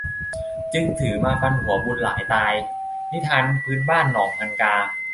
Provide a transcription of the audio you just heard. จึงถือมาฟันหัวบุญหลายตาย นิทานพื้นบ้านหนองฮังกา